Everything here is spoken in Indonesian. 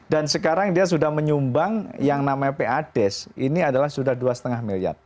dan sekarang dia sudah menyumbang yang namanya pades ini adalah sudah dua lima miliar